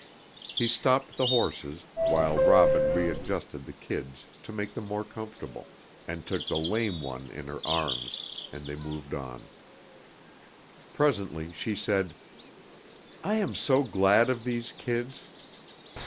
He stopped the horses, while Robin readjusted the kids to make them more comfortable, and took the lame one in her arms, then they moved on. Presently she said, "I am so glad of these kids!"